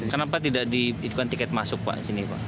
kenapa tidak di itu kan tiket masuk pak di sini pak